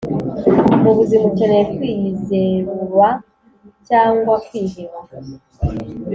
mubuzima ukeneye kwiyizewra cyangwa kwiheba.